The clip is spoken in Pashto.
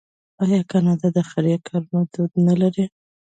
آیا کاناډا د خیریه کارونو دود نلري؟